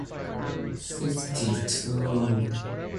Occasionally ships from England would bring women.